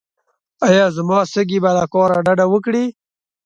ایا زما سږي به له کار ډډه وکړي؟